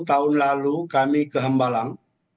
tahun lalu kami ke hambalang